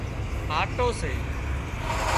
آٽو سي